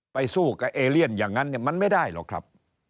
สู้กับเอเลียนอย่างนั้นเนี่ยมันไม่ได้หรอกครับ